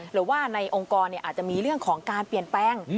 หรือว่าในองค์กรอาจจะมีเรื่องของการเปลี่ยนแปลง